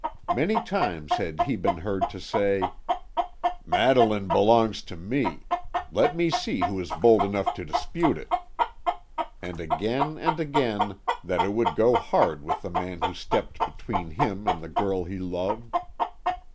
Many times had he been heard to say, "Madeline belongs to me; let me see who is bold enough to dispute it." And again and again that it would go hard with the man who stepped between him and the girl he loved.